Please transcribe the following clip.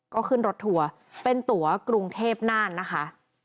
ก็ขึ้นรถทัวร์เป็นตัวกรุงเทพน่านนะคะ